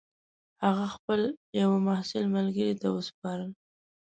هغه خپل یوه محصل ملګري ته وسپارل.